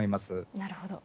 なるほど。